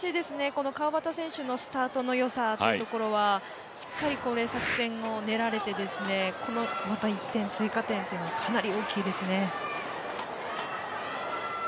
この川畑選手のスタートのよさというところは、しっかり、作戦を練られてこの１点、追加点というのはかなり大きいですね。